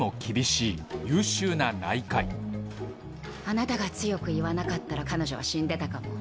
あなたが強く言わなかったら彼女は死んでたかも。